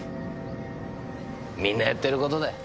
みんなやってる事だよ。